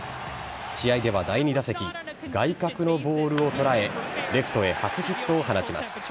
試合では第２打席外角のボールを捉えレフトへ初ヒットを放ちます。